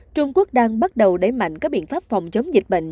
trung quốc đang bắt đầu đẩy mạnh các biện pháp phòng chống dịch bệnh